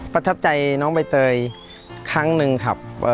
ประทับใจน้องใบเตยครั้งหนึ่งครับ